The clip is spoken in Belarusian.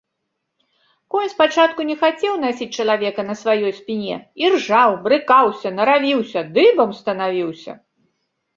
Конь спачатку не хацеў насіць чалавека на сваёй спіне, іржаў, брыкаўся, наравіўся, дыбам станавіўся.